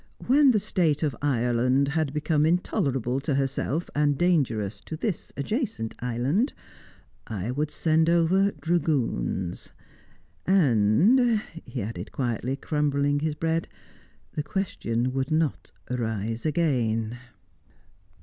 When the state of Ireland had become intolerable to herself and dangerous to this adjacent island, I would send over dragoons. And," he added quietly, crumbling his bread, "the question would not rise again."